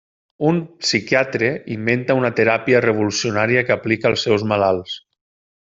Un psiquiatre inventa una teràpia revolucionària que aplica als seus malalts.